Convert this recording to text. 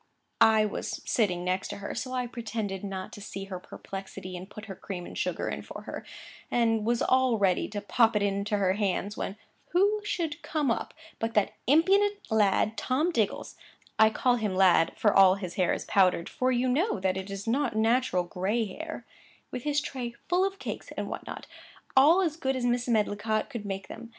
I was sitting next to her, so I pretended not to see her perplexity, and put her cream and sugar in for her, and was all ready to pop it into her hands,—when who should come up, but that impudent lad Tom Diggles (I call him lad, for all his hair is powdered, for you know that it is not natural gray hair), with his tray full of cakes and what not, all as good as Mrs. Medlicott could make them.